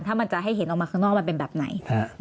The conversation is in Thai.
ถ้ามันจะให้เห็นออกมาข้างนอกมันเป็นแบบไหน